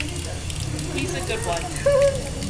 He's a good one.